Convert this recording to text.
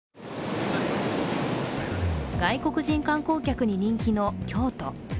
外国人観光客に人気の京都。